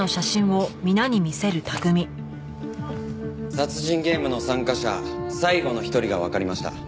殺人ゲームの参加者最後の一人がわかりました。